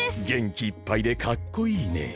げんきいっぱいでかっこいいね！